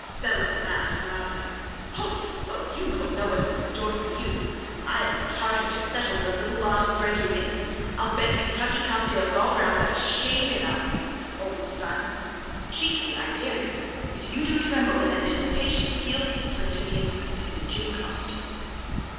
BELLO: (Laughs loudly.) Holy smoke! You little know what's in store for you. I'm the Tartar to settle your little lot and break you in! I'll bet Kentucky cocktails all round I shame it out of you, old son. Cheek me, I dare you. If you do tremble in anticipation of heel discipline to be inflicted in gym costume.